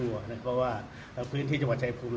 ขอบคุณให้หนูชาวชายพุม